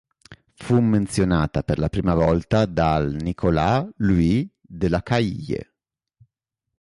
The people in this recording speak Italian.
Fu menzionata per la prima volta dal Nicolas Louis de Lacaille.